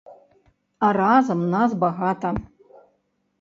А разам нас багата!